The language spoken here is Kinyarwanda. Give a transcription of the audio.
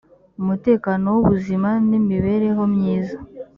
umutekano wubuzima n imibereho myiza